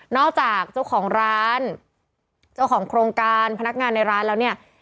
จากเจ้าของร้านเจ้าของโครงการพนักงานในร้านแล้วเนี่ย